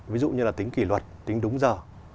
ví dụ như là tính kỷ luật tính đúng giờ